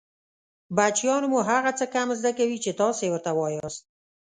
بچیان مو هغه څه کم زده کوي چې تاسې يې ورته وایاست